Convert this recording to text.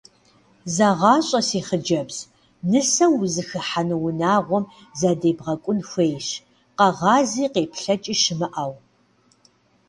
Зэгъащӏэ си хъыджэбз: нысэу узыхыхьэну унагъуэм задебгъэкӏун хуейщ, къэгъази къеплъэкӏи щымыӏэу.